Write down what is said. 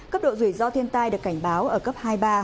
cấp độ rủi ro thiên tai được cảnh báo ở cấp hai mươi ba